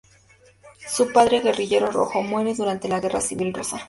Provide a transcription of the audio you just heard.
Su padre, guerrillero rojo, muere durante la Guerra Civil Rusa.